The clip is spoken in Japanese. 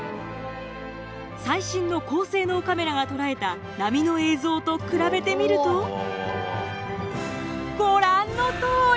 最新の高性能カメラが捉えた波の映像と比べてみるとご覧のとおり！